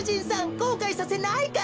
こうかいさせないから。